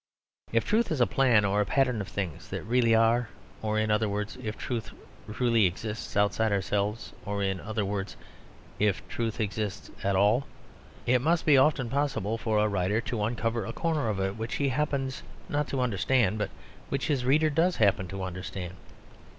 If truth is a plan or pattern of things that really are, or in other words, if truth truly exists outside ourselves, or in other words, if truth exists at all, it must be often possible for a writer to uncover a corner of it which he happens not to understand, but which his reader does happen to understand.